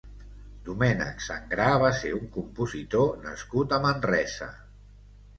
Domènec Sangrà va ser un compositor nascut a Manresa.